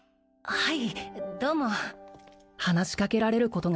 はい！